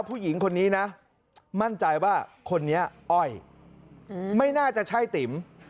ผู้หญิงคนนี้นะมั่นใจว่าคนนี้อ้อยไม่น่าจะใช่ติ๋ม